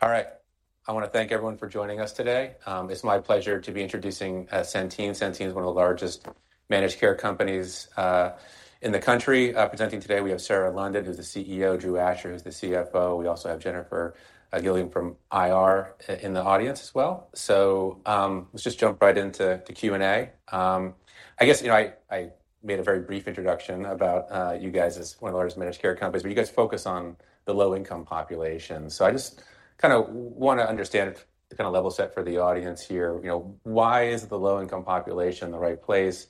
All right. I want to thank everyone for joining us today. It's my pleasure to be introducing Centene. Centene is one of the largest managed care companies in the country. Presenting today, we have Sarah London, who's the CEO, Drew Asher, who's the CFO. We also have Jennifer Gilligan from IR in the audience as well. So, let's just jump right into the Q&A. I guess, you know, I made a very brief introduction about you guys as one of the largest managed care companies, but you guys focus on the low-income population. So I just kinda wanna understand, to kind of level set for the audience here, you know, why is the low-income population the right place?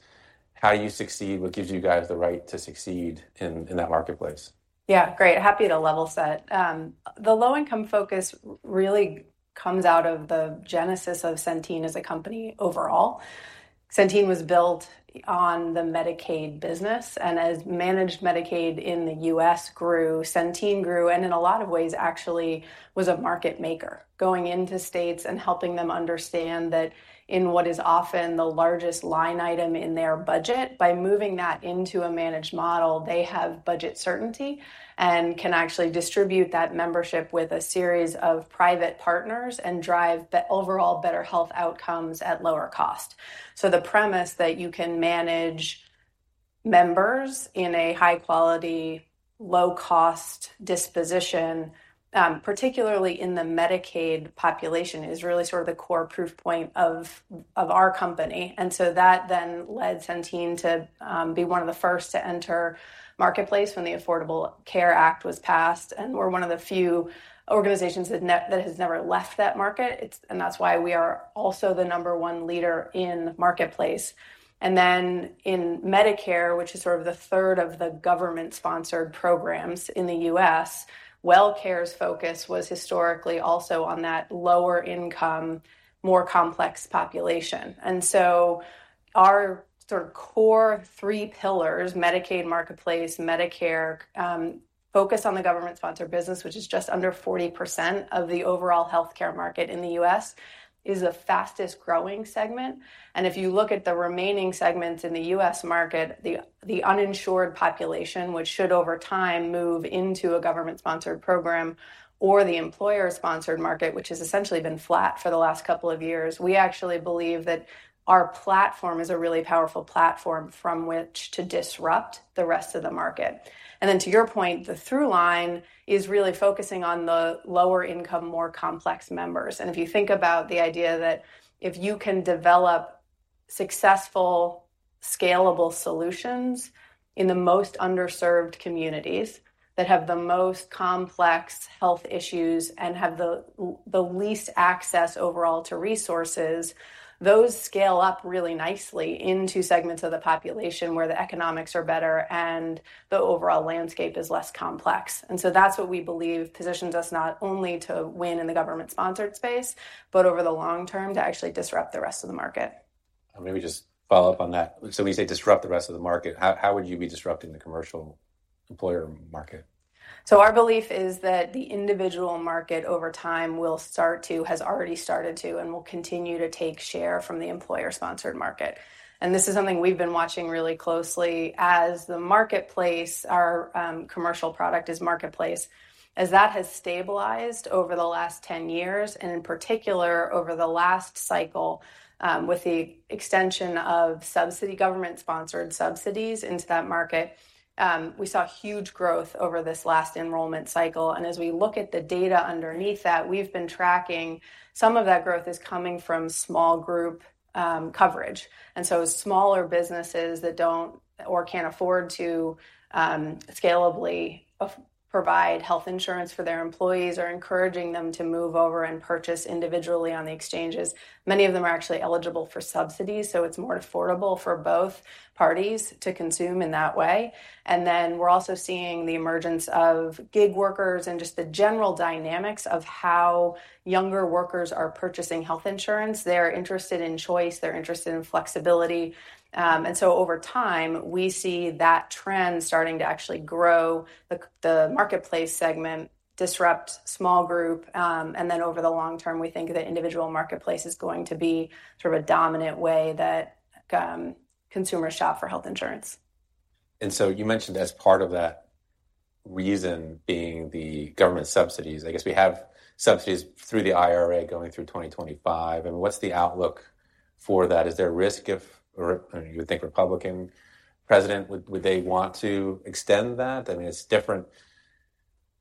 How do you succeed? What gives you guys the right to succeed in that Marketplace? Yeah, great. Happy to level set. The low-income focus really comes out of the genesis of Centene as a company overall. Centene was built on the Medicaid business, and as managed Medicaid in the U.S. grew, Centene grew, and in a lot of ways, actually was a market maker, going into states and helping them understand that in what is often the largest line item in their budget, by moving that into a managed model, they have budget certainty, and can actually distribute that membership with a series of private partners, and drive the overall better health outcomes at lower cost. So the premise that you can manage members in a high quality, low-cost disposition, particularly in the Medicaid population, is really sort of the core proof point of our company. And so that then led Centene to be one of the first to enter Marketplace when the Affordable Care Act was passed, and we're one of the few organizations that has never left that market. It's and that's why we are also the number one leader in Marketplace. And then in Medicare, which is sort of the third of the government-sponsored programs in the U.S., WellCare's focus was historically also on that lower income, more complex population. And so our sort of core three pillars, Medicaid, Marketplace, Medicare, focus on the government-sponsored business, which is just under 40% of the overall healthcare market in the U.S., is the fastest growing segment. And if you look at the remaining segments in the U.S. market, the uninsured population, which should, over time, move into a government-sponsored program or the employer-sponsored market, which has essentially been flat for the last couple of years, we actually believe that our platform is a really powerful platform from which to disrupt the rest of the market. And then, to your point, the through line is really focusing on the lower income, more complex members. And if you think about the idea that if you can develop successful, scalable solutions in the most underserved communities that have the most complex health issues and have the least access overall to resources, those scale up really nicely into segments of the population where the economics are better and the overall landscape is less complex. That's what we believe positions us not only to win in the government-sponsored space, but over the long term, to actually disrupt the rest of the market. Maybe just follow up on that. So when you say disrupt the rest of the market, how would you be disrupting the commercial employer market? So our belief is that the individual market, over time, will start to... has already started to and will continue to take share from the employer-sponsored market. This is something we've been watching really closely. As the marketplace, our commercial product is Marketplace, as that has stabilized over the last 10 years, and in particular, over the last cycle, with the extension of subsidy, government-sponsored subsidies into that market, we saw huge growth over this last enrollment cycle. As we look at the data underneath that, we've been tracking some of that growth is coming from small group coverage. So smaller businesses that don't or can't afford to provide health insurance for their employees are encouraging them to move over and purchase individually on the exchanges. Many of them are actually eligible for subsidies, so it's more affordable for both parties to consume in that way. And then we're also seeing the emergence of gig workers and just the general dynamics of how younger workers are purchasing health insurance. They're interested in choice, they're interested in flexibility. And so over time, we see that trend starting to actually grow the marketplace segment, disrupt small group, and then over the long term, we think the individual marketplace is going to be sort of a dominant way that consumers shop for health insurance. And so you mentioned as part of that reason being the government subsidies. I guess we have subsidies through the IRA going through 2025, and what's the outlook for that? Is there a risk if, or you would think Republican president, would they want to extend that? I mean, it's different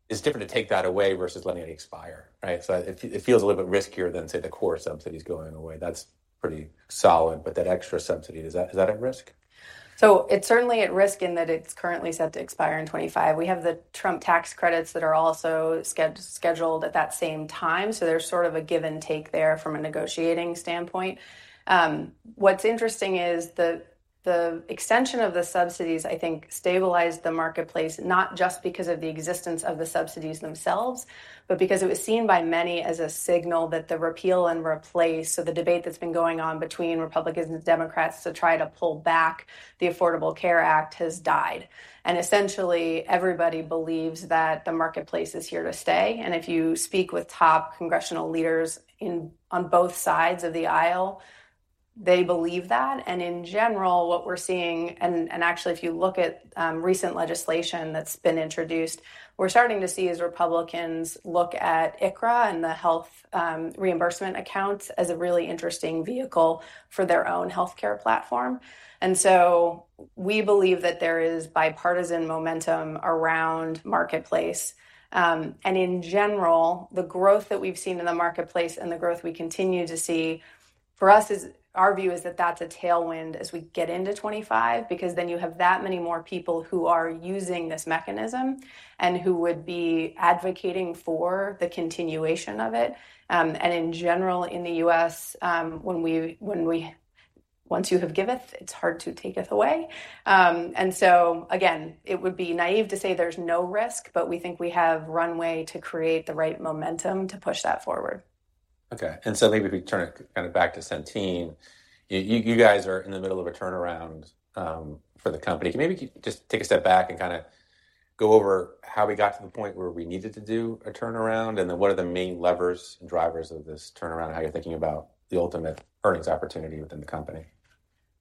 to take that away versus letting it expire, right? So it feels a little bit riskier than, say, the core subsidies going away. That's pretty solid, but that extra subsidy, is that at risk? So it's certainly at risk in that it's currently set to expire in 2025. We have the Trump tax credits that are also scheduled at that same time, so there's sort of a give and take there from a negotiating standpoint. What's interesting is the, the extension of the subsidies, I think, stabilized the marketplace, not just because of the existence of the subsidies themselves, but because it was seen by many as a signal that the repeal and replace, so the debate that's been going on between Republicans and Democrats to try to pull back the Affordable Care Act has died. And essentially, everybody believes that the marketplace is here to stay. And if you speak with top congressional leaders in-- on both sides of the aisle,... They believe that, and in general, what we're seeing, and actually, if you look at recent legislation that's been introduced, we're starting to see as Republicans look at ICHRA and the health reimbursement accounts as a really interesting vehicle for their own healthcare platform. And so we believe that there is bipartisan momentum around Marketplace. And in general, the growth that we've seen in the marketplace and the growth we continue to see, for us is, our view is that that's a tailwind as we get into 25, because then you have that many more people who are using this mechanism and who would be advocating for the continuation of it. And in general, in the U.S., once you have giveth, it's hard to taketh away. And so again, it would be naive to say there's no risk, but we think we have runway to create the right momentum to push that forward. Okay. And so maybe we turn it kind of back to Centene. You guys are in the middle of a turnaround for the company. Can maybe just take a step back and kinda go over how we got to the point where we needed to do a turnaround, and then what are the main levers and drivers of this turnaround, and how you're thinking about the ultimate earnings opportunity within the company?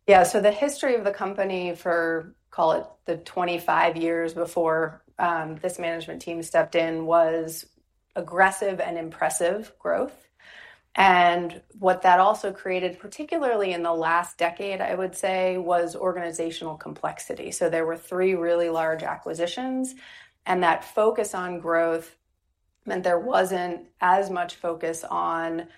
Yeah. So the history of the company for, call it, the 25 years before, this management team stepped in, was aggressive and impressive growth. What that also created, particularly in the last decade, I would say, was organizational complexity. There were 3 really large acquisitions, and that focus on growth meant there wasn't as much focus on,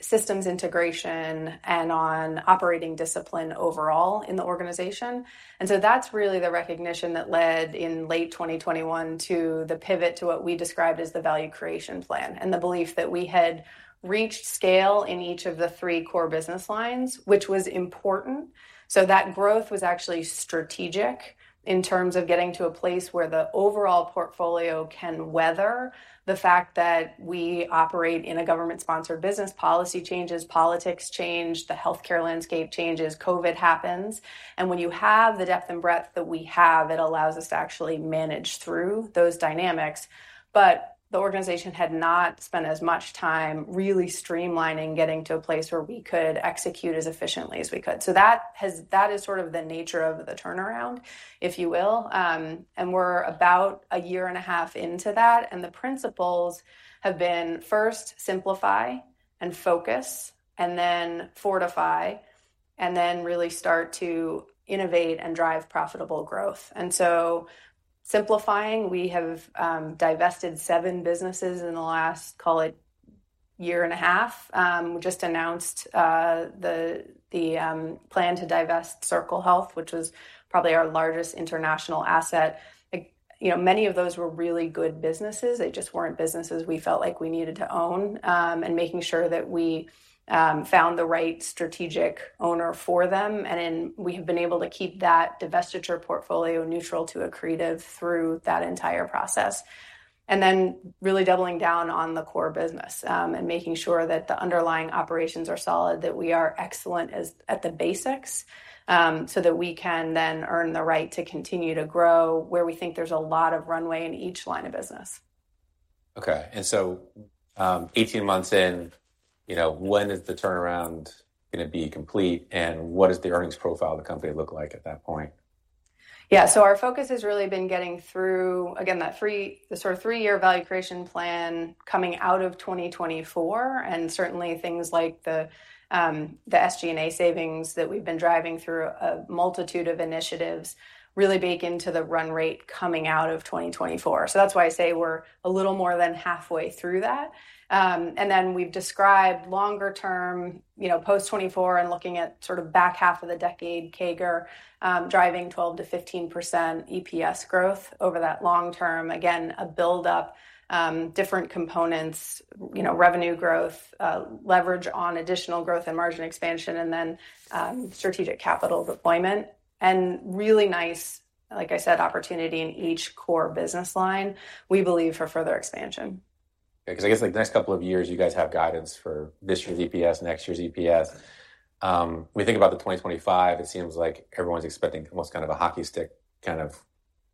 systems integration and on operating discipline overall in the organization. That's really the recognition that led, in late 2021, to the pivot to what we described as the value creation plan, and the belief that we had reached scale in each of the 3 core business lines, which was important. That growth was actually strategic in terms of getting to a place where the overall portfolio can weather the fact that we operate in a government-sponsored business. Policy changes, politics change, the healthcare landscape changes, COVID happens, and when you have the depth and breadth that we have, it allows us to actually manage through those dynamics. But the organization had not spent as much time really streamlining, getting to a place where we could execute as efficiently as we could. So that has, that is sort of the nature of the turnaround, if you will. And we're about a year and a half into that, and the principles have been, first, simplify and focus, and then fortify, and then really start to innovate and drive profitable growth. And so simplifying, we have divested 7 businesses in the last, call it, year and a half. We just announced the plan to divest Circle Health, which was probably our largest international asset. Like, you know, many of those were really good businesses. They just weren't businesses we felt like we needed to own, and making sure that we found the right strategic owner for them, and then we have been able to keep that divestiture portfolio neutral to accretive through that entire process. And then really doubling down on the core business, and making sure that the underlying operations are solid, that we are excellent at the basics, so that we can then earn the right to continue to grow where we think there's a lot of runway in each line of business. Okay, and so, 18 months in, you know, when is the turnaround gonna be complete, and what does the earnings profile of the company look like at that point? Yeah. So our focus has really been getting through, again, that sort of 3-year value creation plan coming out of 2024, and certainly things like the SG&A savings that we've been driving through a multitude of initiatives really bake into the run rate coming out of 2024. So that's why I say we're a little more than halfway through that. And then we've described longer term, you know, post 2024 and looking at sort of back half of the decade, CAGR driving 12%-15% EPS growth over that long term. Again, a build-up, different components, you know, revenue growth, leverage on additional growth and margin expansion, and then strategic capital deployment, and really nice, like I said, opportunity in each core business line, we believe, for further expansion. Because I guess the next couple of years, you guys have guidance for this year's EPS, next year's EPS. We think about the 2025, it seems like everyone's expecting almost kind of a hockey stick kind of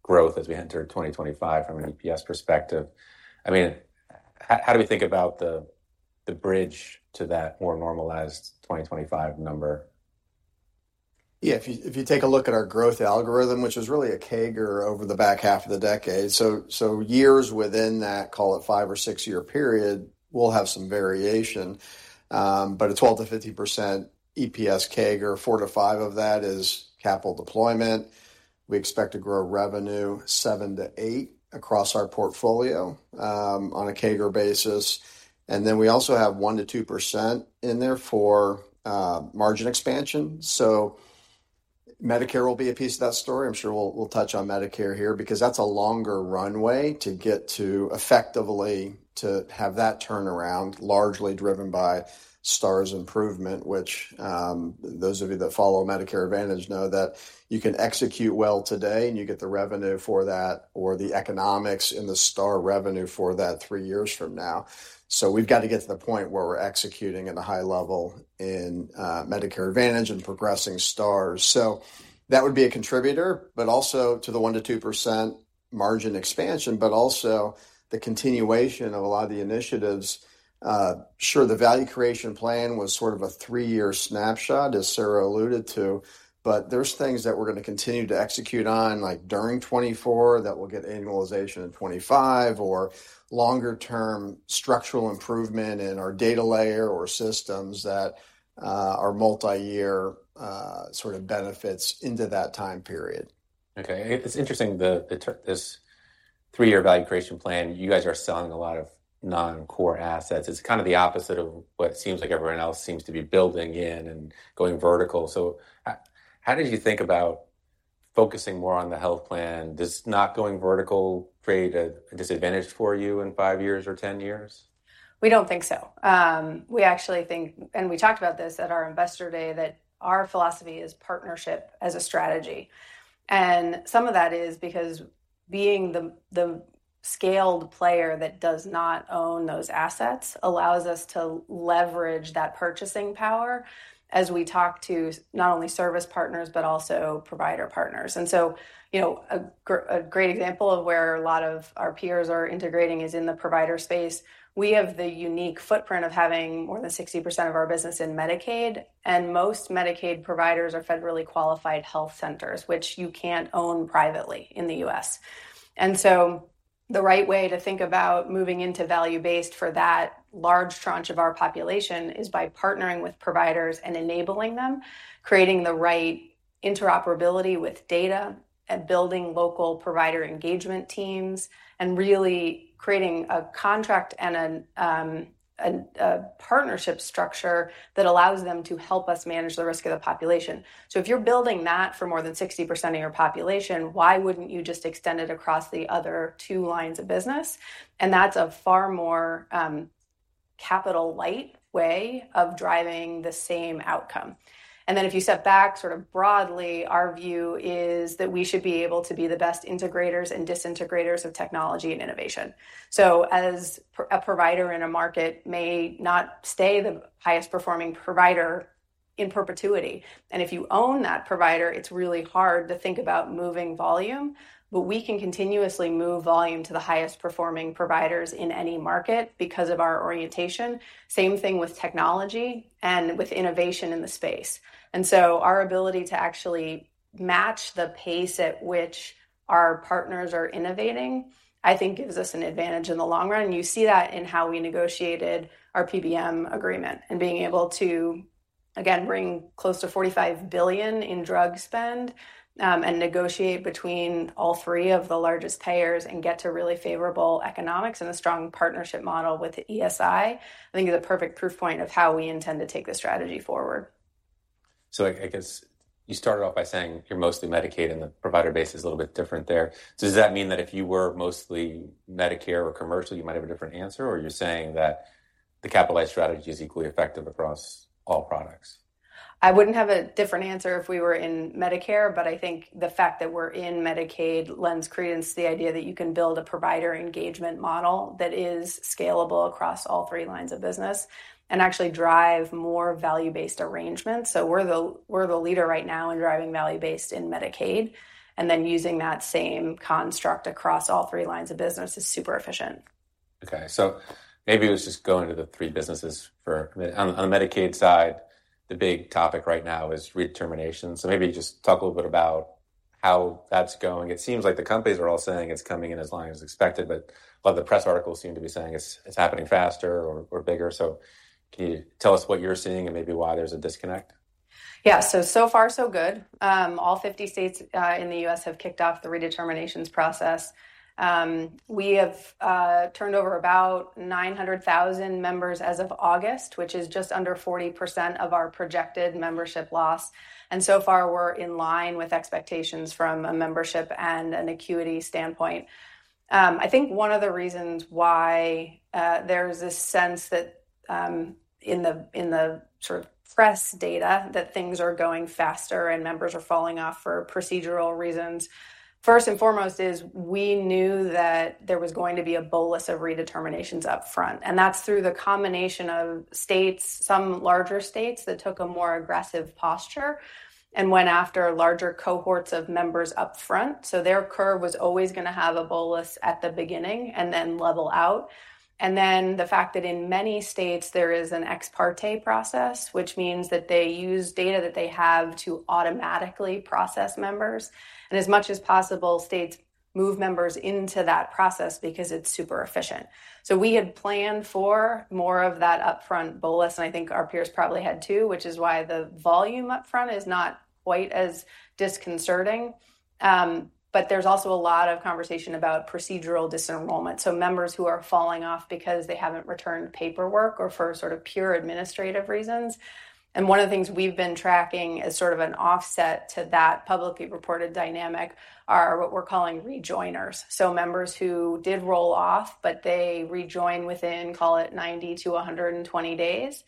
growth as we enter 2025 from an EPS perspective. I mean, how do we think about the bridge to that more normalized 2025 number? Yeah, if you take a look at our growth algorithm, which is really a CAGR over the back half of the decade, so years within that, call it a 5 or 6-year period, we'll have some variation, but a 12%-15% EPS CAGR, 4-5 of that is capital deployment. We expect to grow revenue 7-8 across our portfolio, on a CAGR basis, and then we also have 1%-2% in there for margin expansion. So Medicare will be a piece of that story. I'm sure we'll touch on Medicare here because that's a longer runway to get to effectively to have that turnaround, largely driven by Stars improvement, which, those of you that follow Medicare Advantage know that you can execute well today, and you get the revenue for that or the economics and the Star revenue for that three years from now. So we've got to get to the point where we're executing at a high level in Medicare Advantage and progressing Stars. So that would be a contributor, but also to the 1%-2% margin expansion, but also the continuation of a lot of the initiatives. Sure, the value creation plan was sort of a three-year snapshot, as Sarah alluded to, but there's things that we're gonna continue to execute on, like, during 2024, that will get annualization in 2025, or longer-term structural improvement in our data layer or systems that are multiyear, sort of benefits into that time period. Okay. It's interesting, this three-year value creation plan. You guys are selling a lot of non-core assets. It's kind of the opposite of what seems like everyone else seems to be building in and going vertical. So how did you think about focusing more on the health plan? Does not going vertical create a disadvantage for you in 5 years or 10 years? We don't think so. We actually think, and we talked about this at our investor day, that our philosophy is partnership as a strategy, and some of that is because being the, the scaled player that does not own those assets allows us to leverage that purchasing power as we talk to not only service partners, but also provider partners. And so, you know, a great example of where a lot of our peers are integrating is in the provider space. We have the unique footprint of having more than 60% of our business in Medicaid, and most Medicaid providers are federally qualified health centers, which you can't own privately in the U.S. The right way to think about moving into value-based for that large tranche of our population is by partnering with providers and enabling them, creating the right interoperability with data, and building local provider engagement teams, and really creating a contract and a partnership structure that allows them to help us manage the risk of the population. If you're building that for more than 60% of your population, why wouldn't you just extend it across the other two lines of business? That's a far more capital-light way of driving the same outcome. Then if you step back sort of broadly, our view is that we should be able to be the best integrators and disintegrators of technology and innovation. So as a provider in a market may not stay the highest performing provider in perpetuity, and if you own that provider, it's really hard to think about moving volume, but we can continuously move volume to the highest performing providers in any market because of our orientation. Same thing with technology and with innovation in the space. And so our ability to actually match the pace at which our partners are innovating, I think gives us an advantage in the long run. You see that in how we negotiated our PBM agreement, and being able to, again, bring close to $45 billion in drug spend, and negotiate between all three of the largest payers and get to really favorable economics and a strong partnership model with ESI, I think, is a perfect proof point of how we intend to take this strategy forward. So I guess you started off by saying you're mostly Medicaid, and the provider base is a little bit different there. So does that mean that if you were mostly Medicare or commercial, you might have a different answer, or you're saying that the capital light strategy is equally effective across all products? I wouldn't have a different answer if we were in Medicare, but I think the fact that we're in Medicaid lends credence to the idea that you can build a provider engagement model that is scalable across all three lines of business and actually drive more value-based arrangements. So we're the leader right now in driving value-based in Medicaid, and then using that same construct across all three lines of business is super efficient. Okay, so maybe let's just go into the three businesses for... On the Medicaid side, the big topic right now is Redetermination. So maybe just talk a little bit about how that's going. It seems like the companies are all saying it's coming in as long as expected, but a lot of the press articles seem to be saying it's happening faster or bigger. So can you tell us what you're seeing and maybe why there's a disconnect? Yeah. So, so far, so good. All 50 states in the U.S. have kicked off the redeterminations process. We have turned over about 900,000 members as of August, which is just under 40% of our projected membership loss, and so far, we're in line with expectations from a membership and an acuity standpoint. I think one of the reasons why there's this sense that in the sort of press data, that things are going faster and members are falling off for procedural reasons, first and foremost, is we knew that there was going to be a bolus of redeterminations upfront, and that's through the combination of states, some larger states, that took a more aggressive posture and went after larger cohorts of members upfront. So their curve was always gonna have a bolus at the beginning and then level out. Then the fact that in many states there is an ex parte process, which means that they use data that they have to automatically process members, and as much as possible, states move members into that process because it's super efficient. So we had planned for more of that upfront bolus, and I think our peers probably had, too, which is why the volume upfront is not quite as disconcerting. But there's also a lot of conversation about procedural disenrollment, so members who are falling off because they haven't returned paperwork or for sort of pure administrative reasons. And one of the things we've been tracking as sort of an offset to that publicly reported dynamic are what we're calling rejoiners, so members who did roll off, but they rejoined within, call it, 90-120 days.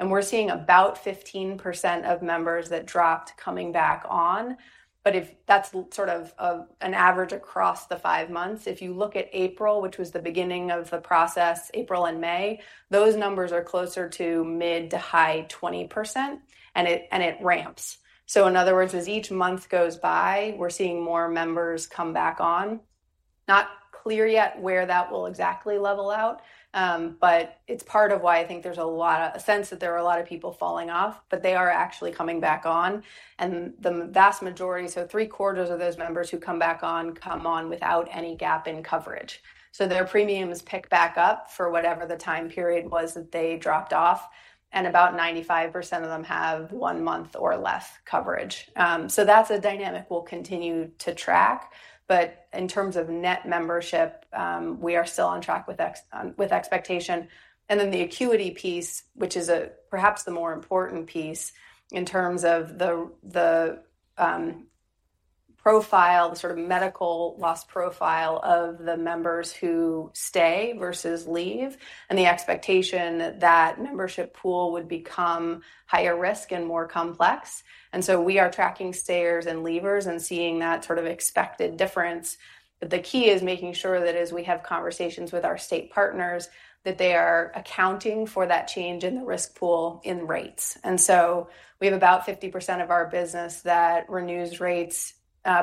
And we're seeing about 15% of members that dropped coming back on. But if... That's sort of an average across the 5 months. If you look at April, which was the beginning of the process, April and May, those numbers are closer to mid- to high 20%, and it, and it ramps. So in other words, as each month goes by, we're seeing more members come back on. Not clear yet where that will exactly level out, but it's part of why I think there's a lot of sense that there are a lot of people falling off, but they are actually coming back on, and the vast majority, so 3/4 of those members who come back on, come on without any gap in coverage. So their premiums pick back up for whatever the time period was that they dropped off, and about 95% of them have one month or less coverage. So that's a dynamic we'll continue to track. But in terms of net membership, we are still on track with expectations. And then the acuity piece, which is perhaps the more important piece in terms of the profile, the sort of medical loss profile of the members who stay versus leave, and the expectation that that membership pool would become higher risk and more complex. And so we are tracking stayers and leavers and seeing that sort of expected difference. But the key is making sure that as we have conversations with our state partners, that they are accounting for that change in the risk pool in rates. And so we have about 50% of our business that renews rates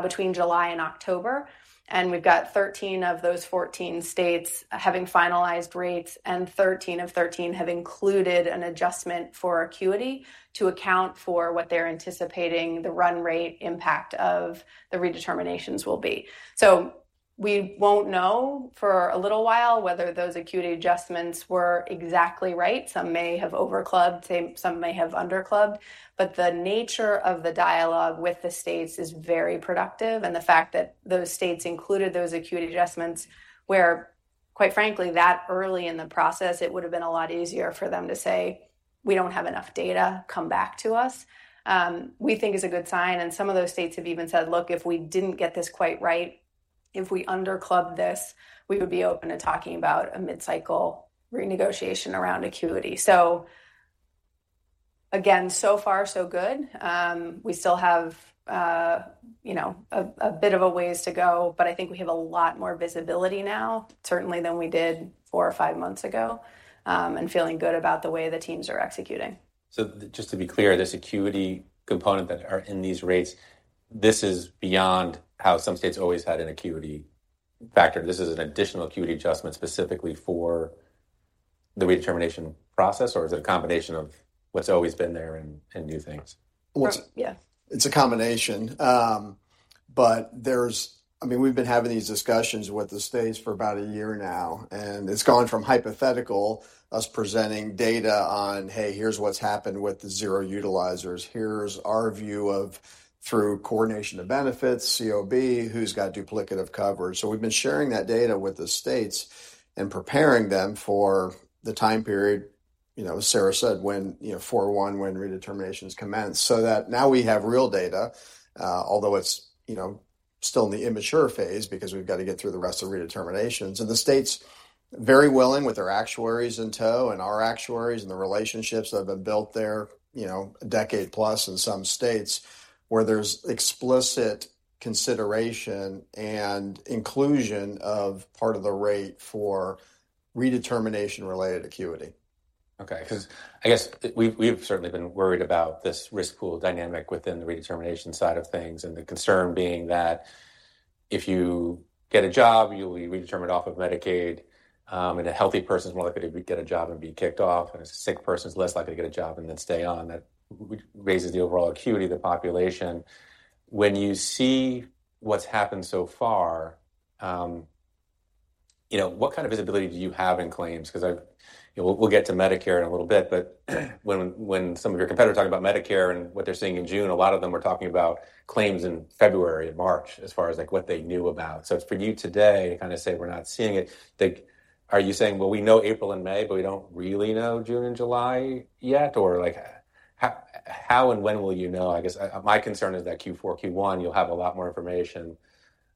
between July and October, and we've got 13 of those 14 states having finalized rates, and 13/13 have included an adjustment for acuity to account for what they're anticipating the run rate impact of the redeterminations will be. So we won't know for a little while whether those acuity adjustments were exactly right. Some may have over clubbed, some may have under clubbed, but the nature of the dialogue with the states is very productive, and the fact that those states included those acuity adjustments, where, quite frankly, that early in the process, it would have been a lot easier for them to say: "We don't have enough data, come back to us," we think is a good sign. And some of those states have even said: "Look, if we didn't get this quite right, if we under clubbed this, we would be open to talking about a mid-cycle renegotiation around acuity." So again, so far, so good. We still have, you know, a bit of a ways to go, but I think we have a lot more visibility now, certainly than we did 4/5 months ago, and feeling good about the way the teams are executing. So just to be clear, this acuity component that are in these rates, this is beyond how some states always had an acuity factor. This is an additional acuity adjustment specifically for the redetermination process, or is it a combination of what's always been there and, and new things? Well- Yeah. It's a combination, but I mean, we've been having these discussions with the states for about a year now, and it's gone from hypothetical, us presenting data on, hey, here's what's happened with the zero utilizers. Here's our view of through coordination of benefits, COB, who's got duplicative coverage. So we've been sharing that data with the states and preparing them for the time period, you know, as Sarah said, when, you know, 4/1, when redeterminations commence. So that now we have real data, although it's, you know, still in the immature phase because we've got to get through the rest of the redeterminations. The state's very willing, with their actuaries in tow and our actuaries and the relationships that have been built there, you know, a decade plus in some states, where there's explicit consideration and inclusion of part of the rate for redetermination-related acuity. Okay, 'cause I guess we've, we've certainly been worried about this risk pool dynamic within the redetermination side of things, and the concern being that if you get a job, you'll be redetermined off of Medicaid, and a healthy person is more likely to get a job and be kicked off, and a sick person is less likely to get a job and then stay on. That raises the overall acuity of the population. When you see what's happened so far, you know, what kind of visibility do you have in claims? Because I... We'll, we'll get to Medicare in a little bit, but when, when some of your competitors talk about Medicare and what they're seeing in June, a lot of them were talking about claims in February and March, as far as, like, what they knew about. So for you today, to kind of say we're not seeing it, like, are you saying: "Well, we know April and May, but we don't really know June and July yet?" Or, like, how, how and when will you know? I guess, my concern is that Q4, Q1, you'll have a lot more information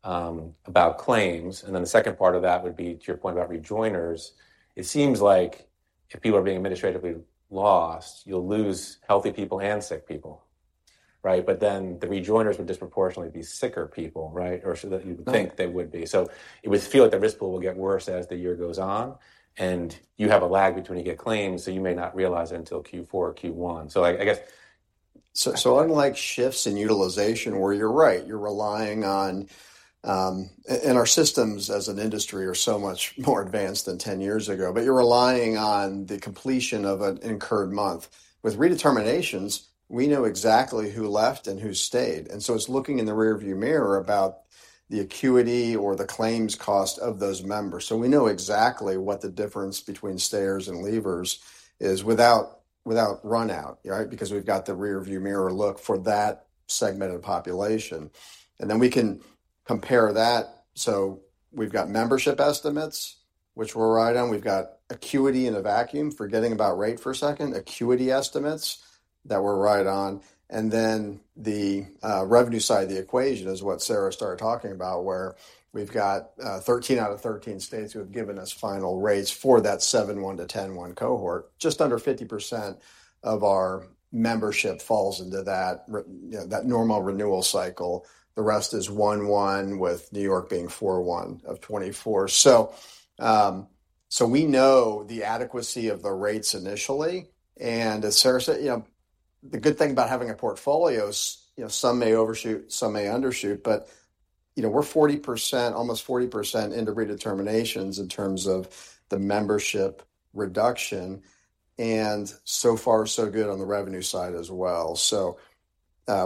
about claims. And then the second part of that would be to your point about rejoinders. It seems like if people are being administratively lost, you'll lose healthy people and sick people, right? But then the rejoinders would disproportionately be sicker people, right? Or so that you would think they would be. So it would feel like the risk pool will get worse as the year goes on, and you have a lag between you get claims, so you may not realize it until Q4 or Q1. So I guess- So, so unlike shifts in utilization, where you're right, you're relying on. And our systems as an industry are so much more advanced than ten years ago, but you're relying on the completion of an incurred month. With redeterminations, we know exactly who left and who stayed, and so it's looking in the rearview mirror about the acuity or the claims cost of those members. So we know exactly what the difference between stayers and leavers is without run out, right? Because we've got the rearview mirror look for that segmented population, and then we can compare that. So we've got membership estimates, which we're right on. We've got acuity in a vacuum, forgetting about rate for a second, acuity estimates that we're right on. And then the revenue side of the equation is what Sarah started talking about, where we've got 13 out of 13 states who have given us final rates for that 7/1-10/1 cohort. Just under 50% of our membership falls into that you know, that normal renewal cycle. The rest is 1/1, with New York being 4/1 of 24. So, so we know the adequacy of the rates initially, and as Sarah said, you know. The good thing about having a portfolio is, you know, some may overshoot, some may undershoot, but, you know, we're 40%, almost 40% into redeterminations in terms of the membership reduction, and so far so good on the revenue side as well. So,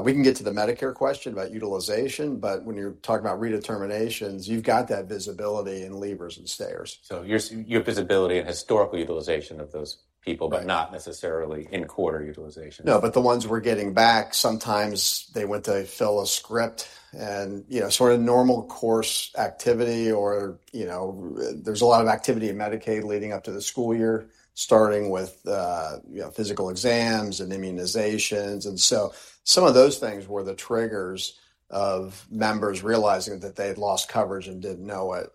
we can get to the Medicare question about utilization, but when you're talking about redeterminations, you've got that visibility in leavers and stayers. So you have visibility in historical utilization of those people- Right. but not necessarily in quarter utilization? No, but the ones we're getting back, sometimes they went to fill a script and, you know, sort of normal course activity or, you know, there's a lot of activity in Medicaid leading up to the school year, starting with, you know, physical exams and immunizations. And so some of those things were the triggers of members realizing that they had lost coverage and didn't know it.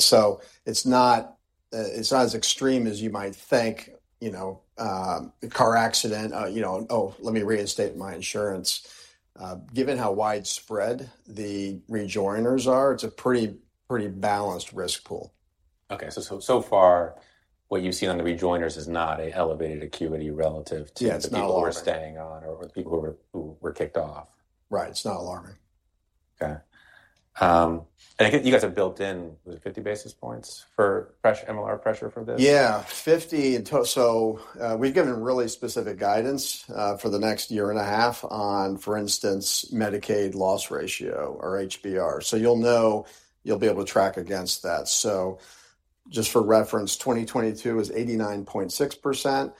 So it's not, it's not as extreme as you might think, you know, a car accident, you know, "Oh, let me reinstate my insurance." Given how widespread the rejoiners are, it's a pretty, pretty balanced risk pool. Okay, so far, what you've seen on the rejoiners is not an elevated acuity relative to- Yeah, it's not alarming. the people who are staying on or the people who were, who were kicked off. Right, it's not alarming. Okay. I guess you guys have built in, was it 50 basis points for MLR pressure for this? Yeah, so we've given really specific guidance for the next year and a half on, for instance, Medicaid loss ratio or HBR. So you'll know—you'll be able to track against that. So just for reference, 2022 is 89.6%.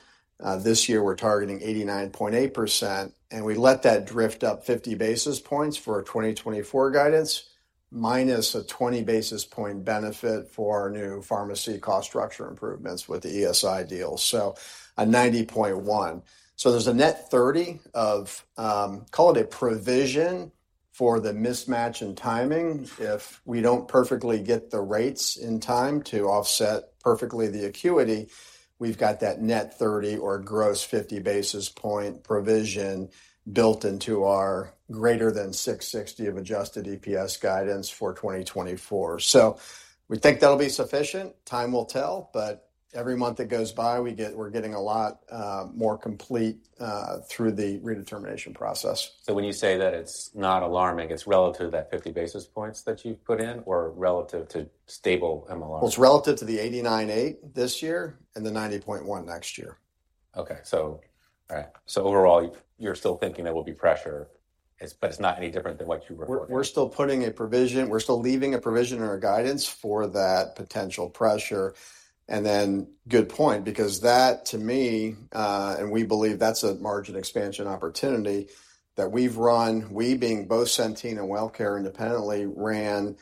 This year we're targeting 89.8%, and we let that drift up 50 basis points for our 2024 guidance, minus a 20 basis point benefit for our new pharmacy cost structure improvements with the ESI deals. So a 90.1%. So there's a net 30 of, call it a provision for the mismatch in timing. If we don't perfectly get the rates in time to offset perfectly the acuity, we've got that net 30 or gross 50 basis point provision built into our greater than $6.60 of adjusted EPS guidance for 2024. So we think that'll be sufficient. Time will tell, but every month that goes by, we're getting a lot more complete through the redetermination process. When you say that it's not alarming, it's relative to that 50 basis points that you've put in or relative to stable MLR? Well, it's relative to the 89.8 this year and the 90.1 next year. Okay. So, all right, so overall, you're still thinking there will be pressure, but it's not any different than what you were reporting. We're still putting a provision. We're still leaving a provision in our guidance for that potential pressure, and then good point, because that, to me, and we believe that's a margin expansion opportunity that we've run, we being both Centene and Wellcare independently, ran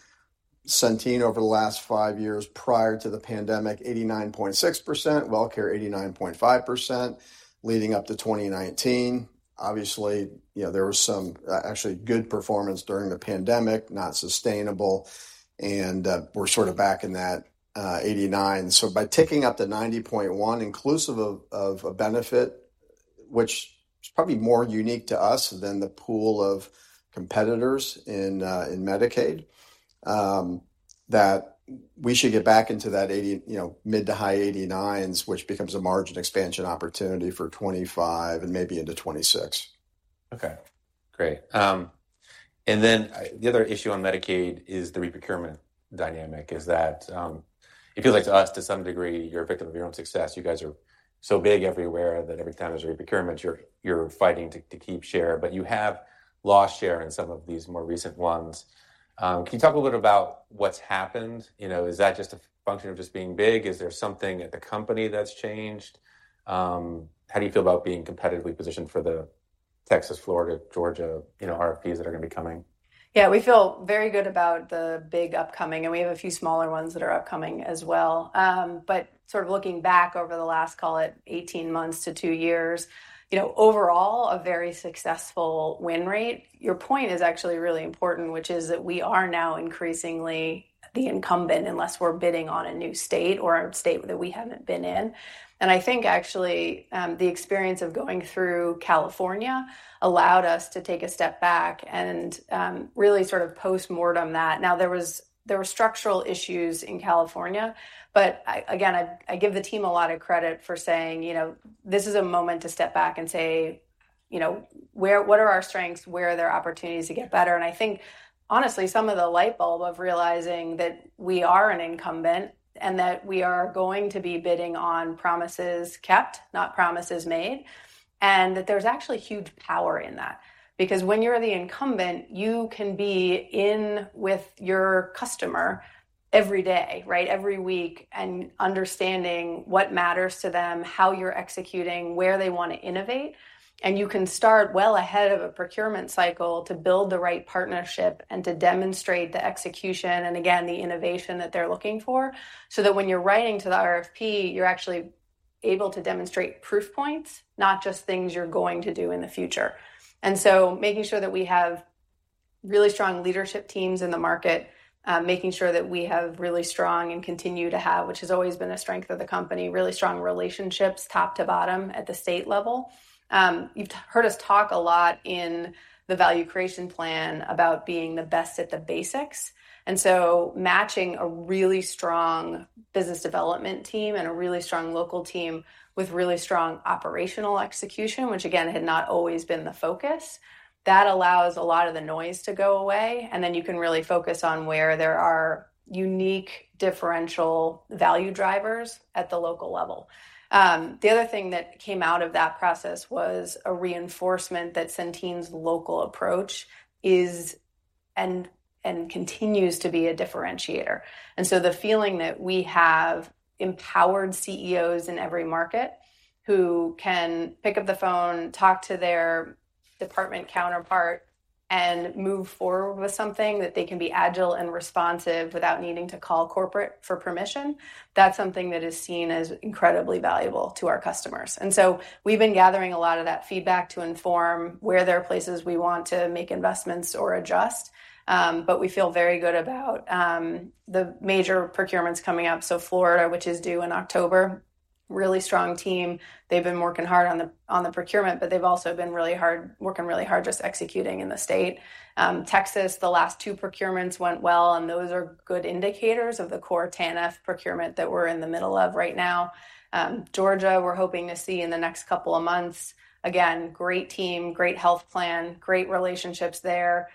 Centene over the last five years prior to the pandemic, 89.6%, WellCare, 89.5%, leading up to 2019. Obviously, you know, there was some actually good performance during the pandemic, not sustainable, and we're sort of back in that 89. So by taking up the 90.1, inclusive of a benefit, which is probably more unique to us than the pool of competitors in Medicaid, that we should get back into that 80, you know, mid- to high 80s, which becomes a margin expansion opportunity for 2025 and maybe into 2026. Okay, great. And then, the other issue on Medicaid is the reprocurement dynamic is that it feels like to us, to some degree, you're a victim of your own success. You guys are so big everywhere that every time there's a reprocurement, you're fighting to keep share, but you have lost share in some of these more recent ones. Can you talk a little bit about what's happened? You know, is that just a function of just being big? Is there something at the company that's changed? How do you feel about being competitively positioned for the Texas, Florida, Georgia, you know, RFPs that are gonna be coming? Yeah, we feel very good about the big upcoming, and we have a few smaller ones that are upcoming as well. But sort of looking back over the last, call it 18 months to 2 years, you know, overall, a very successful win rate. Your point is actually really important, which is that we are now increasingly the incumbent, unless we're bidding on a new state or a state that we haven't been in. And I think actually, the experience of going through California allowed us to take a step back and, really sort of post-mortem that. Now, there were structural issues in California, but I, again, I, I give the team a lot of credit for saying: "You know, this is a moment to step back and say, you know, what are our strengths? Where are there opportunities to get better?" And I think, honestly, some of the light bulb of realizing that we are an incumbent and that we are going to be bidding on promises kept, not promises made, and that there's actually huge power in that. Because when you're the incumbent, you can be in with your customer every day, right, every week, and understanding what matters to them, how you're executing, where they want to innovate, and you can start well ahead of a procurement cycle to build the right partnership and to demonstrate the execution and again, the innovation that they're looking for. So that when you're writing to the RFP, you're actually able to demonstrate proof points, not just things you're going to do in the future. And so making sure that we have-... really strong leadership teams in the market, making sure that we have really strong and continue to have, which has always been a strength of the company, really strong relationships, top to bottom at the state level. You've heard us talk a lot in the value creation plan about being the best at the basics, and so matching a really strong business development team and a really strong local team with really strong operational execution, which again, had not always been the focus. That allows a lot of the noise to go away, and then you can really focus on where there are unique differential value drivers at the local level. The other thing that came out of that process was a reinforcement that Centene's local approach is and, and continues to be a differentiator. The feeling that we have empowered CEOs in every market, who can pick up the phone, talk to their department counterpart, and move forward with something, that they can be agile and responsive without needing to call corporate for permission, that's something that is seen as incredibly valuable to our customers. We've been gathering a lot of that feedback to inform where there are places we want to make investments or adjust. We feel very good about the major procurements coming up. Florida, which is due in October, really strong team. They've been working hard on the procurement, but they've also been working really hard just executing in the state. Texas, the last two procurements went well, and those are good indicators of the core TANF procurement that we're in the middle of right now. Georgia, we're hoping to see in the next couple of months. Again, great team, great health plan, great relationships there.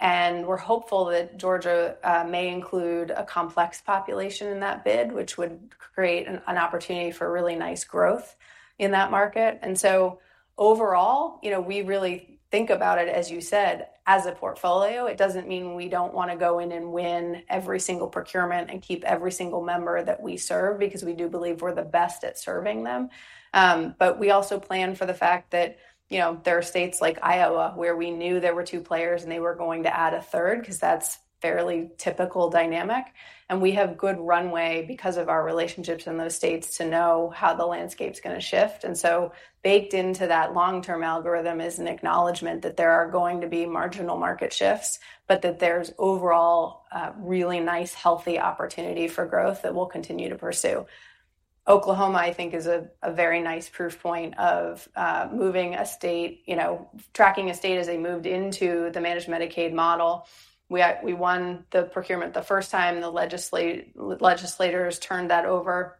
And we're hopeful that Georgia may include a complex population in that bid, which would create an opportunity for really nice growth in that market. And so overall, you know, we really think about it, as you said, as a portfolio. It doesn't mean we don't want to go in and win every single procurement and keep every single member that we serve, because we do believe we're the best at serving them. But we also plan for the fact that, you know, there are states like Iowa, where we knew there were two players, and they were going to add a third, because that's fairly typical dynamic. We have good runway because of our relationships in those states to know how the landscape's gonna shift. And so baked into that long-term algorithm is an acknowledgment that there are going to be marginal market shifts, but that there's overall really nice, healthy opportunity for growth that we'll continue to pursue. Oklahoma, I think, is a very nice proof point of moving a state, you know, tracking a state as they moved into the managed Medicaid model. We won the procurement the first time the legislators turned that over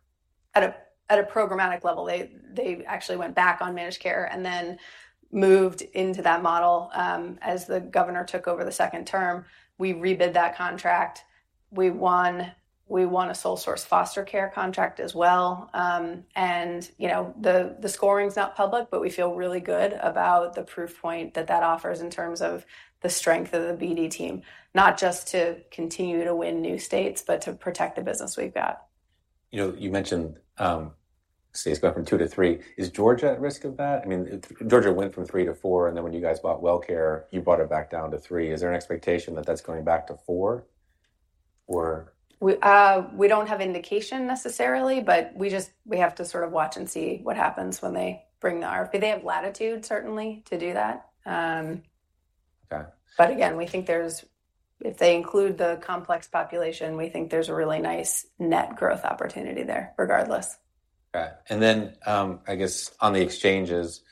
at a programmatic level. They actually went back on managed care and then moved into that model as the governor took over the second term. We rebid that contract. We won. We won a sole source foster care contract as well. You know, the scoring is not public, but we feel really good about the proof point that that offers in terms of the strength of the BD team, not just to continue to win new states, but to protect the business we've got. You know, you mentioned, states went from two to three. Is Georgia at risk of that? I mean, Georgia went from three to four, and then when you guys bought WellCare, you brought it back down to three. Is there an expectation that that's going back to four, or? We, we don't have indication necessarily, but we just—we have to sort of watch and see what happens when they bring the RFP. They have latitude, certainly, to do that. Okay. But again, we think there's... If they include the complex population, we think there's a really nice net growth opportunity there regardless. Okay. And then, I guess on the exchanges,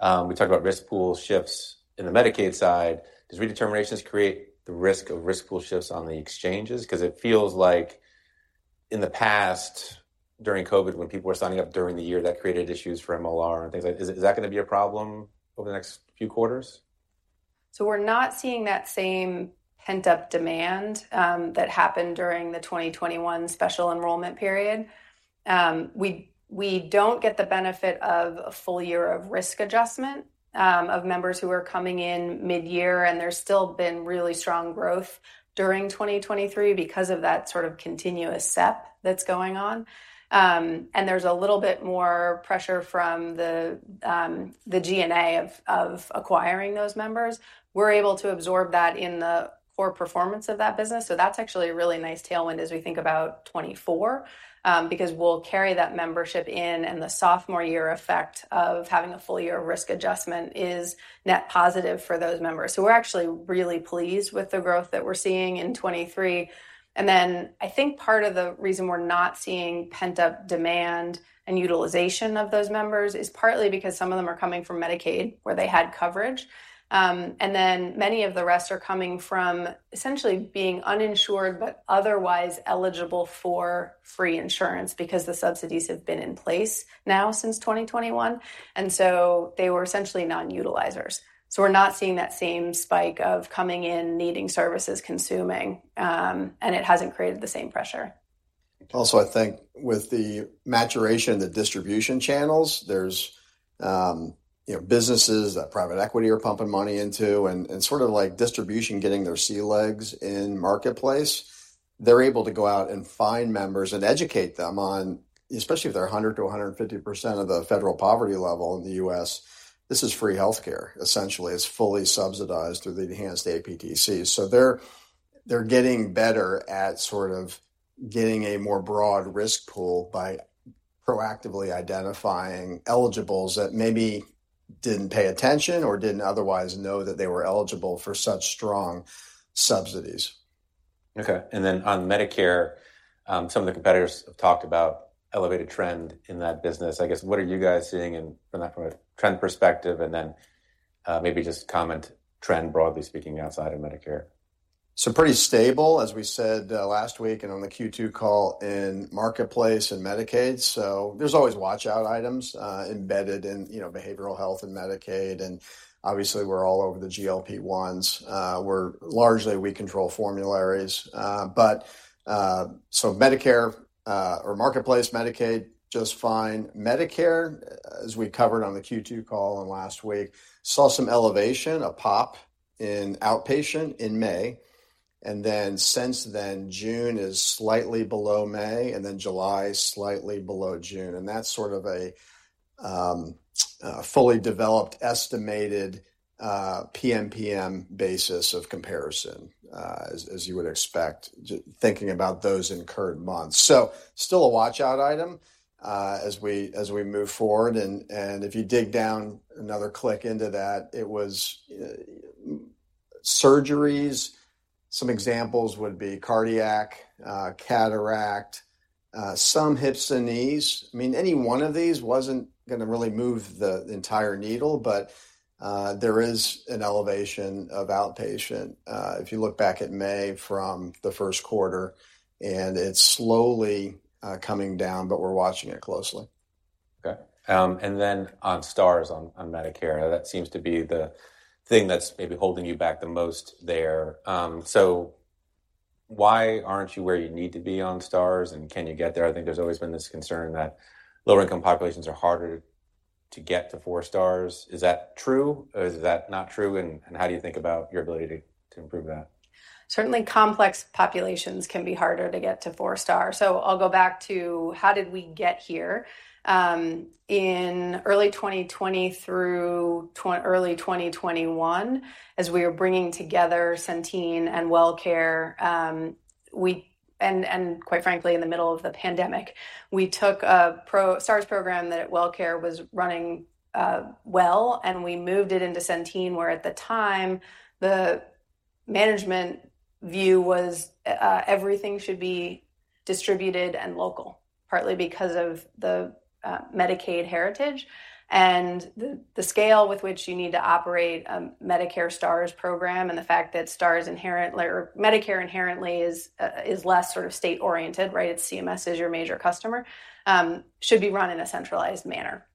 we talked about risk pool shifts in the Medicaid side. Does redeterminations create the risk of risk pool shifts on the exchanges? Because it feels like in the past, during COVID, when people were signing up during the year, that created issues for MLR and things like... Is that gonna be a problem over the next few quarters? So we're not seeing that same pent-up demand that happened during the 2021 Special Enrollment Period. We, we don't get the benefit of a full year of risk adjustment of members who are coming in mid-year, and there's still been really strong growth during 2023 because of that sort of continuous SEP that's going on. And there's a little bit more pressure from the SG&A of acquiring those members. We're able to absorb that in the core performance of that business, so that's actually a really nice tailwind as we think about 2024. Because we'll carry that membership in, and the sophomore year effect of having a full year of risk adjustment is net positive for those members. So we're actually really pleased with the growth that we're seeing in 2023. And then I think part of the reason we're not seeing pent-up demand and utilization of those members is partly because some of them are coming from Medicaid, where they had coverage. And then many of the rest are coming from essentially being uninsured, but otherwise eligible for free insurance because the subsidies have been in place now since 2021, and so they were essentially non-utilizers. So we're not seeing that same spike of coming in, needing services, consuming, and it hasn't created the same pressure. Also, I think with the maturation of the distribution channels, there's, you know, businesses that private equity are pumping money into and, and sort of like distribution, getting their sea legs in marketplace. They're able to go out and find members and educate them on... Especially if they're 100%-150% of the federal poverty level in the U.S., this is free healthcare. Essentially, it's fully subsidized through the enhanced APTC. So they're, they're getting better at sort of getting a more broad risk pool by-... proactively identifying eligibles that maybe didn't pay attention or didn't otherwise know that they were eligible for such strong subsidies. Okay, and then on Medicare, some of the competitors have talked about elevated trend in that business. I guess, what are you guys seeing in, from that, from a trend perspective, and then, maybe just comment trend, broadly speaking, outside of Medicare? So pretty stable, as we said, last week and on the Q2 call in Marketplace and Medicaid. So there's always watch-out items embedded in, you know, behavioral health and Medicaid, and obviously, we're all over the GLP-1s. Largely, we control formularies. But so Medicare or Marketplace, Medicaid, just fine. Medicare, as we covered on the Q2 call and last week, saw some elevation, a pop in outpatient in May, and then since then, June is slightly below May, and then July is slightly below June. And that's sort of a fully developed, estimated PMPM basis of comparison, as you would expect, thinking about those incurred months. So still a watch-out item, as we move forward, and if you dig down another click into that, it was surgeries. Some examples would be cardiac, cataract, some hips and knees. I mean, any one of these wasn't gonna really move the entire needle, but there is an elevation of outpatient, if you look back at May from the first quarter, and it's slowly coming down, but we're watching it closely. Okay. And then on Stars, on Medicare, that seems to be the thing that's maybe holding you back the most there. So why aren't you where you need to be on Stars, and can you get there? I think there's always been this concern that lower-income populations are harder to get to four Stars. Is that true, or is that not true, and how do you think about your ability to improve that? Certainly, complex populations can be harder to get to 4-star. So I'll go back to: how did we get here? In early 2020 through early 2021, as we were bringing together Centene and WellCare, and quite frankly, in the middle of the pandemic, we took a Stars program that at WellCare was running well, and we moved it into Centene, where at the time, the management view was everything should be distributed and local, partly because of the Medicaid heritage and the scale with which you need to operate a Medicare Stars program, and the fact that Stars inherently or Medicare inherently is less sort of state-oriented, right? CMS is your major customer, should be run in a centralized manner.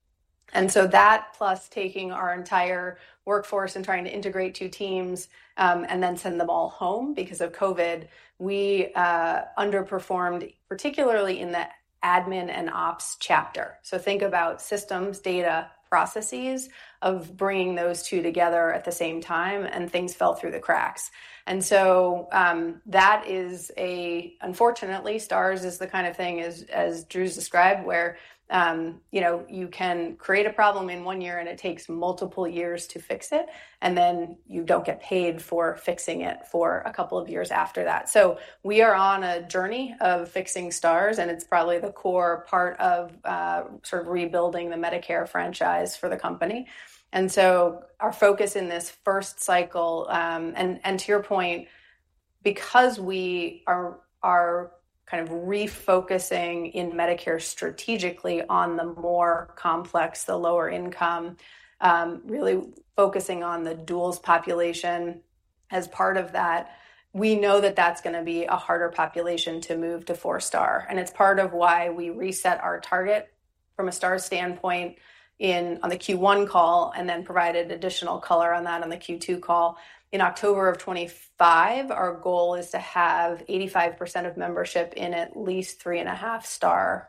And so that plus taking our entire workforce and trying to integrate two teams, and then send them all home because of COVID, we underperformed, particularly in the admin and ops chapter. So think about systems, data, processes of bringing those two together at the same time, and things fell through the cracks. And so, that is unfortunately, Stars is the kind of thing as Drew described, where you know, you can create a problem in one year, and it takes multiple years to fix it, and then you don't get paid for fixing it for a couple of years after that. So we are on a journey of fixing Stars, and it's probably the core part of sort of rebuilding the Medicare franchise for the company. And so our focus in this first cycle... To your point, because we are kind of refocusing in Medicare strategically on the more complex, the lower income, really focusing on the duals population as part of that, we know that that's gonna be a harder population to move to 4-star. It's part of why we reset our target from a star standpoint on the Q1 call, and then provided additional color on that on the Q2 call. In October of 2025, our goal is to have 85% of membership in at least 3.5-star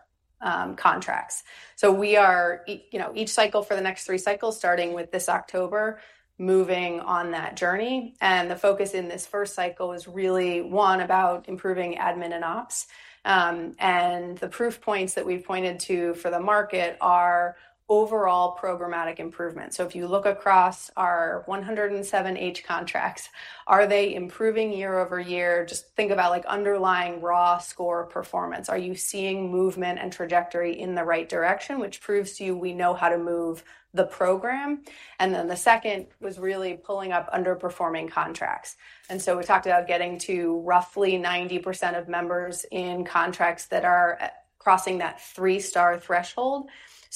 contracts. We are, you know, each cycle for the next three cycles, starting with this October, moving on that journey, and the focus in this first cycle is really, one, about improving admin and ops. And the proof points that we've pointed to for the market are overall programmatic improvement. So if you look across our 107 H contracts, are they improving year-over-year? Just think about, like, underlying raw score performance. Are you seeing movement and trajectory in the right direction, which proves to you we know how to move the program? And then the second was really pulling up underperforming contracts. And so we talked about getting to roughly 90% of members in contracts that are crossing that 3-Star threshold,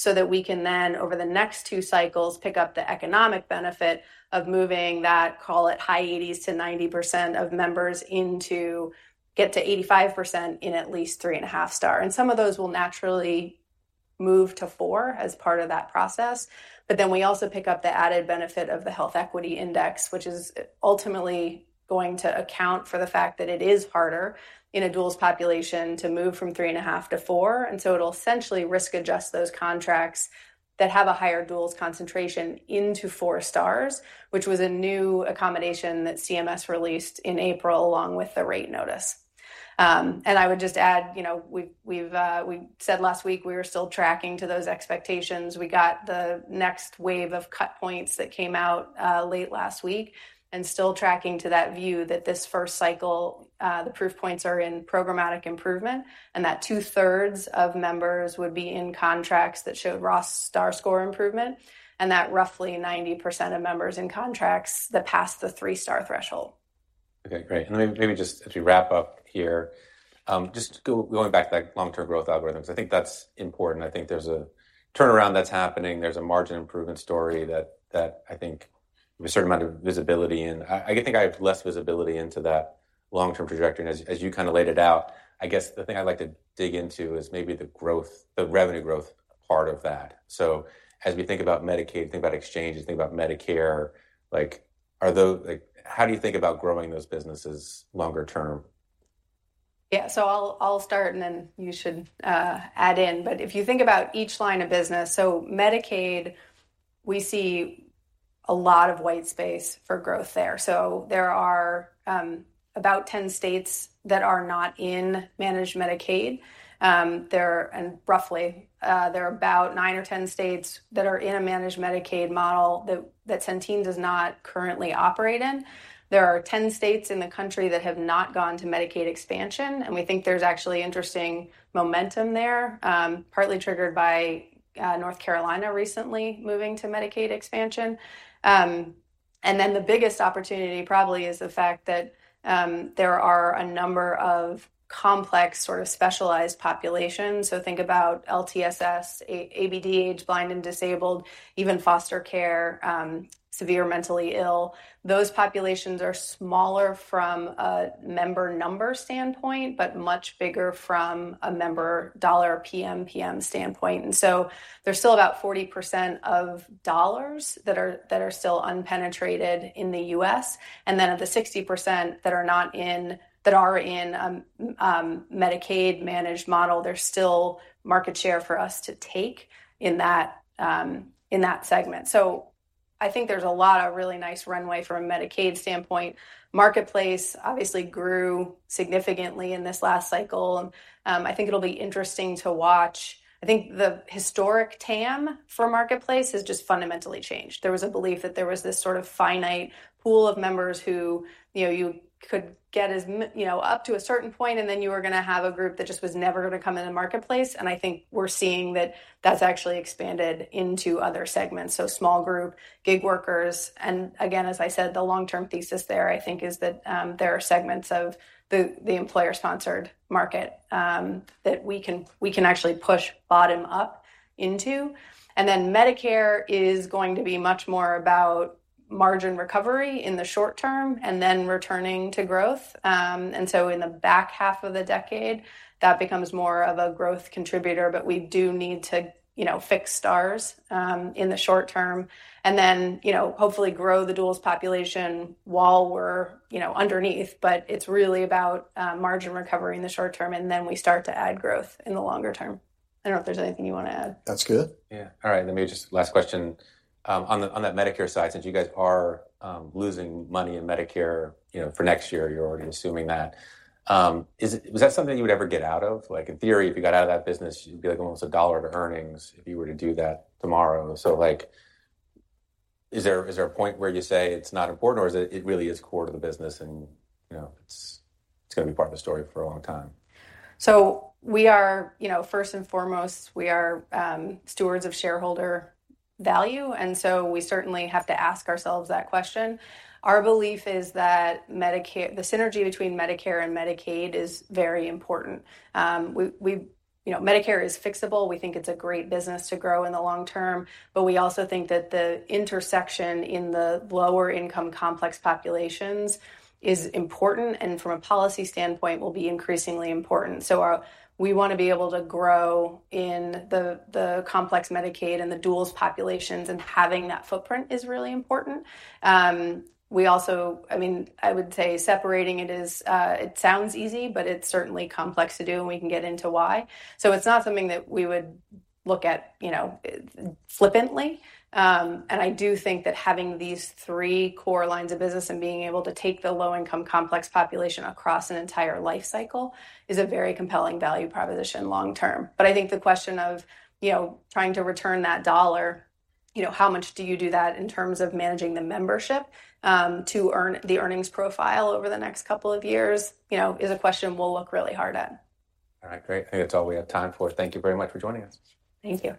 so that we can then, over the next two cycles, pick up the economic benefit of moving that, call it high 80s-90% of members into get to 85% in at least 3.5-Star. And some of those will naturally move to 4 as part of that process. But then we also pick up the added benefit of the Health Equity Index, which is ultimately going to account for the fact that it is harder in a dual's population to move from 3.5 to 4. And so it'll essentially risk adjust those contracts that have a higher dual's concentration into 4-Stars, which was a new accommodation that CMS released in April, along with the rate notice. And I would just add, you know, we said last week we were still tracking to those expectations. We got the next wave of cut points that came out, late last week, and still tracking to that view that this first cycle, the proof points are in programmatic improvement, and that two-thirds of members would be in contracts that showed raw Star score improvement, and that roughly 90% of members in contracts that passed the 3-Star threshold.... Okay, great. Then maybe just as we wrap up here, just going back to that long-term growth algorithms, I think that's important. I think there's a turnaround that's happening. There's a margin improvement story that I think there's a certain amount of visibility in. I think I have less visibility into that long-term trajectory. And as you kinda laid it out, I guess the thing I'd like to dig into is maybe the growth, the revenue growth part of that. So as we think about Medicaid, think about exchanges, think about Medicare, like, are those, like, how do you think about growing those businesses longer term? Yeah. So I'll start and then you should add in. But if you think about each line of business, so Medicaid, we see a lot of white space for growth there. So there are about 10 states that are not in managed Medicaid. And roughly there are about 9 or 10 states that are in a managed Medicaid model that Centene does not currently operate in. There are 10 states in the country that have not gone to Medicaid expansion, and we think there's actually interesting momentum there, partly triggered by North Carolina recently moving to Medicaid expansion. And then the biggest opportunity probably is the fact that there are a number of complex, sort of specialized populations. So think about LTSS, ABD, aged, blind, and disabled, even foster care, severe mentally ill. Those populations are smaller from a member number standpoint, but much bigger from a member dollar PMPM standpoint. So there's still about 40% of dollars that are still unpenetrated in the U.S., and then at the 60% that are in Medicaid managed model, there's still market share for us to take in that segment. So I think there's a lot of really nice runway from a Medicaid standpoint. Marketplace obviously grew significantly in this last cycle. I think it'll be interesting to watch. I think the historic TAM for Marketplace has just fundamentally changed. There was a belief that there was this sort of finite pool of members who, you know, you could get as you know, up to a certain point, and then you were gonna have a group that just was never gonna come in the marketplace. And I think we're seeing that that's actually expanded into other segments, so small group, gig workers. And again, as I said, the long-term thesis there, I think, is that there are segments of the employer-sponsored market that we can actually push bottom up into. And then Medicare is going to be much more about margin recovery in the short term and then returning to growth. And so in the back half of the decade, that becomes more of a growth contributor. But we do need to, you know, fix Stars, in the short term and then, you know, hopefully grow the duals population while we're, you know, underneath. But it's really about margin recovery in the short term, and then we start to add growth in the longer term. I don't know if there's anything you want to add. That's good. Yeah. All right, let me just—last question. On the, on that Medicare side, since you guys are, losing money in Medicare, you know, for next year, you're already assuming that, is it—was that something you would ever get out of? Like, in theory, if you got out of that business, you'd be, like, almost $1 to earnings if you were to do that tomorrow. So, like, is there, is there a point where you say it's not important, or is it, it really is core to the business and, you know, it's, it's gonna be part of the story for a long time? So we are, you know, first and foremost, we are, stewards of shareholder value, and so we certainly have to ask ourselves that question. Our belief is that the synergy between Medicare and Medicaid is very important. We, you know, Medicare is fixable. We think it's a great business to grow in the long term, but we also think that the intersection in the lower-income, complex populations is important, and from a policy standpoint, will be increasingly important. So we wanna be able to grow in the complex Medicaid and the duals populations, and having that footprint is really important. We also I mean, I would say separating it is it sounds easy, but it's certainly complex to do, and we can get into why. So it's not something that we would look at, you know, flippantly. I do think that having these three core lines of business and being able to take the low-income, complex population across an entire life cycle is a very compelling value proposition long term. But I think the question of, you know, trying to return that dollar, you know, how much do you do that in terms of managing the membership, to earn the earnings profile over the next couple of years, you know, is a question we'll look really hard at. All right, great. I think that's all we have time for. Thank you very much for joining us. Thank you.